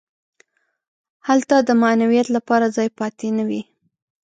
هلته د معنویت لپاره ځای پاتې نه وي.